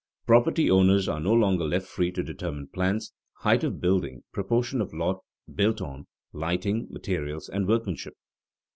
Property owners are no longer left free to determine plans, height of building, proportion of lot built on, lighting, materials, and workmanship.